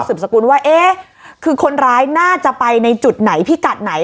สกุลว่าเอ๊ะคือคนร้ายน่าจะไปในจุดไหนพิกัดไหน